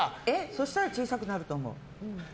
そうしたら小さくなると思う。